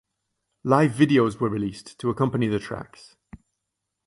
Live videos were released to accompany the tracks.